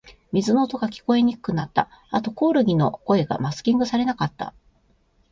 水の音が、聞こえにくくなった。あと、コオロギの声がマスキングされなかった。